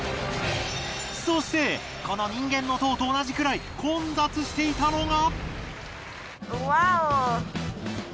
そしてこの人間の塔と同じくらい混雑していたのが。